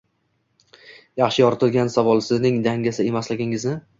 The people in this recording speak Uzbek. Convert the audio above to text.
Yaxshi yoritilgan savol Sizning dangasa emasligingizni